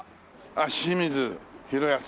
あっ清水宏保。